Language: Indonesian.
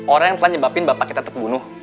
orang yang telah nyebabin bapak kita tetap bunuh